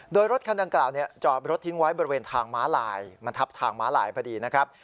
โดยรถคันดังกล่าวจอดรถทิ้งไว้บริเวณทางม้าลายมันทับทางม้าลายพอดีนะครับ